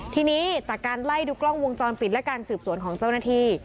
ทีนี้จากการไล่ดูกล้องวงจรปิดและการสืบสวนของเจ้าหน้าที่